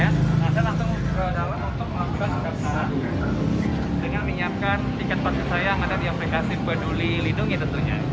nah saya langsung ke dalam untuk mengambil kesehatan dengan menyiapkan tiket vaksin saya yang ada di aplikasi peduli lindungi tentunya